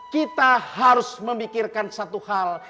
kita harus memikirkan satu hal